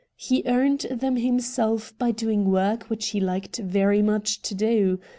He earned them himself by doing work which he hked very much to do.